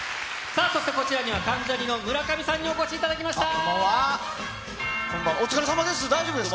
さあそしてこちらには、関ジャニの村上さんにお越しいただきました。